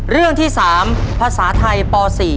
เรื่องที่๓ภาษาไทยป๔